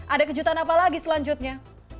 ada kejutan apa lagi selanjutnya